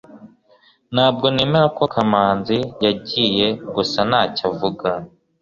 ntabwo nemera ko kamanzi yagiye gusa ntacyo avuga